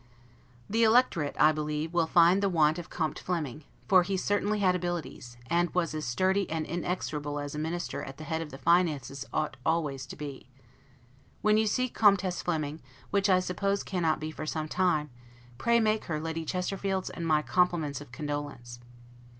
The Electorate, I believe, will find the want of Comte Flemming; for he certainly had abilities, and was as sturdy and inexorable as a Minister at the head of the finances ought always to be. When you see Comtesse Flemming, which I suppose cannot be for some time, pray make her Lady Chesterfield's and my compliments of condolence.